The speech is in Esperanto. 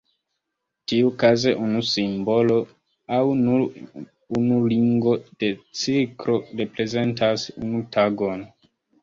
Tiukaze unu simbolo aŭ nur unu ringo de cirklo reprezentas unu tagon.